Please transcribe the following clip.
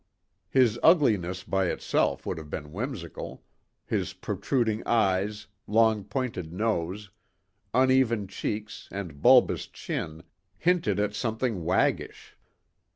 His ugliness by itself would have been whimsical his protruding eyes, long pointed nose, uneven cheeks and bulbous chin hinted at something waggish.